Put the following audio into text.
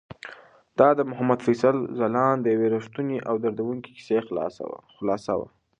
دا د محمد فیصل ځلاند د یوې رښتونې او دردونکې کیسې خلاصه وه.